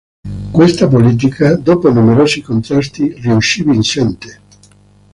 Questa politica, dopo numerosi contrasti, riuscì vincente.